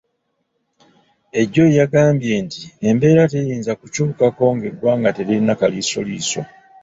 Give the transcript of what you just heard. Ejoyi yagambye nti embeera teyinza kukyukako ng'eggwanga teririna kaliisoliiso.